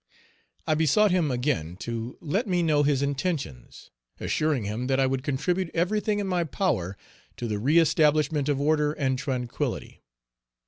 I besought him again to let me know his intentions, assuring him that I would contribute everything in my power to the reëstablishment of order and tranquillity.